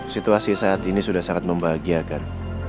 situasi saat ini sudah sangat membahagiakan